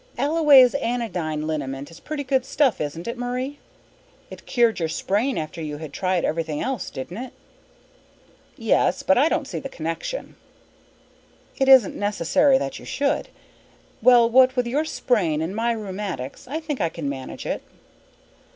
Alloway's Anodyne Liniment is pretty good stuff, isn't it, Murray? It cured your sprain after you had tried everything else, didn't it?" "Yes. But I don't see the connection." "It isn't necessary that you should. Well, what with your sprain and my rheumatics I think I can manage it."